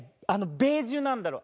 ベージュなんだろう？